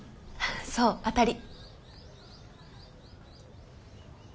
そう当たり。